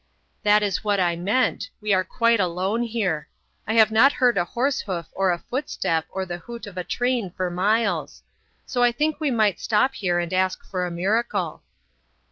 "That is what I meant; we are quite alone here. I have not heard a horse hoof or a footstep or the hoot of a train for miles. So I think we might stop here and ask for a miracle."